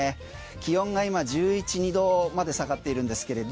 気温が今１１１２度まで下がっているんですけれど